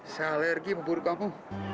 saya alergi memburu kamu